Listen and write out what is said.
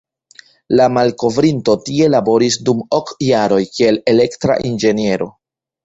La malkovrinto tie laboris dum ok jaroj kiel elektra inĝeniero.